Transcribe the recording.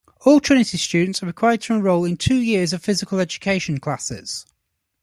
All Trinity students are required to enroll in two years of physical education classes.